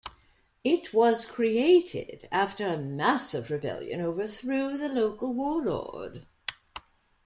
It was created after a massive rebellion overthrew the local warlord.